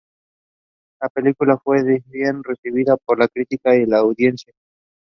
La película fue bien recibida por la crítica y la audiencia.